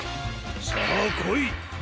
さあこい！